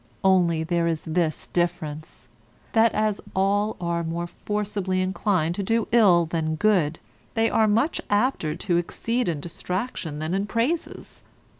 Only there is this difference, that as all are more forcibly inclined to ill than good, they are much apter to exceed in detraction than in praises.